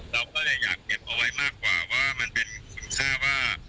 เราก็เลยอยากเก็บเอาไว้มากกว่าว่ามันเป็นคุณค่าว่า